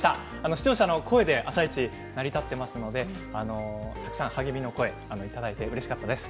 視聴者の声で「あさイチ」は成り立っていますのでたくさん励ましの声いただいてうれしかったです。